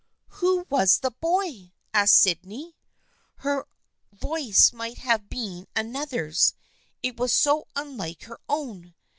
" Who was the boy ?" asked Sydney. Her voice might have been another's, it was so unlike her own.